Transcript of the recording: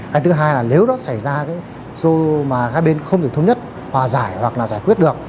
hay thứ hai là nếu đó xảy ra cái số mà các bên không thể thống nhất hòa giải hoặc là giải quyết được